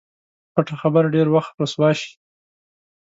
پټه خبره ډېر وخت رسوا شي.